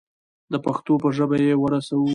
د پښتو په ژبه یې ورسوو.